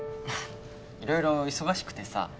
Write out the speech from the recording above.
いろいろ忙しくてさ。